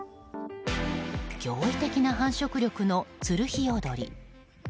驚異的な繁殖力のツルヒヨドリ。